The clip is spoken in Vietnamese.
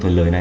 thời lời này